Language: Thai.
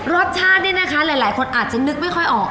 รสชาตินี่นะคะหลายคนอาจจะนึกไม่ค่อยออก